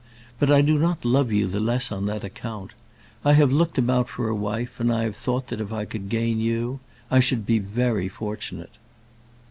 But I do not love you the less on that account. I have looked about for a wife, and I have thought that if I could gain you I should be very fortunate."